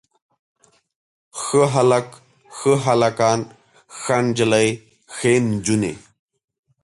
ښه هلک، ښه هلکان، ښه نجلۍ ښې نجونې.